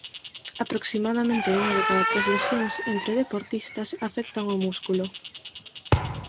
Aproximadamente unha de cada tres lesións entre deportistas afectan ao músculo.